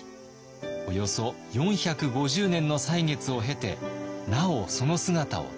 およそ４５０年の歳月を経てなおその姿をとどめています。